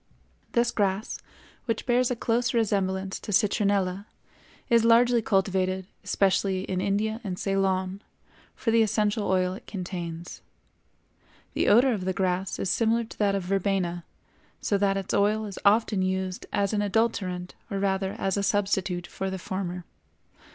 This grass, which bears a close resemblance to citronella, is largely cultivated, especially in India and Ceylon, for the essential oil it contains. The odor of the grass is similar to that of verbena, so that its oil is often used as an adulterant or rather as a substitute for the former.